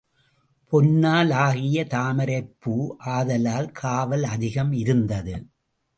பொன்னால் ஆகிய தாமரைப்பூ ஆதலால் காவல் அதிகம் இருத்தது.